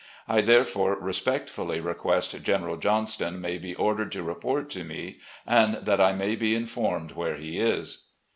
I therefore respectfully request General Johnston may be ordered to report to me, and that I may be informed where he is."